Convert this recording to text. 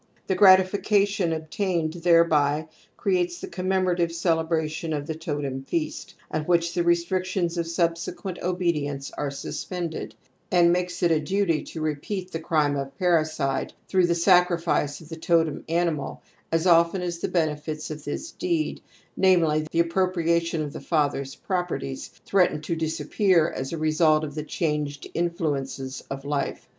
'I^ he gratitication obtained thereby creates the commemorative celebration of the totem feast at which the restrictions of subsequent obedience are sus pended, and makes it a duty to repeat the crime of parricide through the sacrifice of the totem animal as often as the benefits of this deed, namely, the appropriation of the father's properties, threaten to disappear as a result of the changed influences of life.